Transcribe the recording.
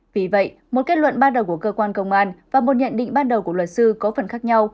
vì vậy một kết luận ban đầu của cơ quan công an và một nhận định ban đầu của luật sư có phần khác nhau